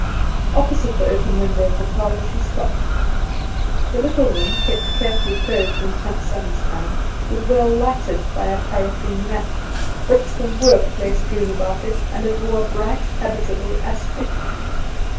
Opposite the open window of the parlour she stopped. The little room, kept carefully closed in Tant Sannie's time, was well lighted by a paraffin lamp; books and work lay strewn about it, and it wore a bright, habitable aspect.